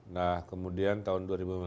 nah kemudian tahun dua ribu lima belas